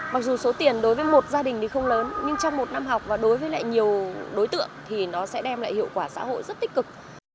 mặc dù số tiền đối với một gia đình thì không lớn nhưng trong một năm học và đối với lại nhiều đối tượng thì nó sẽ đem lại hiệu quả xã hội rất tích cực